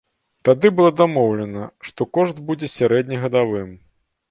Тады было дамоўлена, што кошт будзе сярэднегадавым.